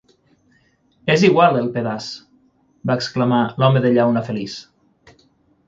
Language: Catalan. "És igual el pedaç" va exclamar l'home de llauna feliç.